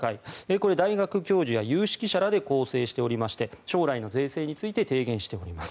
これ、大学教授や有識者らで構成しておりまして将来の税制について提言しております。